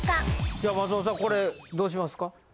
じゃあ松本さんこれどうしますか？